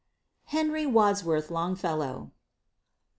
HENRY WADSWORTH LONGFELLOW.